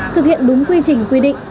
thực hiện đúng quy trình quy định